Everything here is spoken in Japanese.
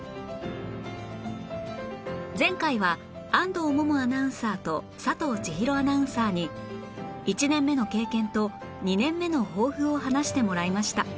前回は安藤萌々アナウンサーと佐藤ちひろアナウンサーに１年目の経験と２年目の抱負を話してもらいました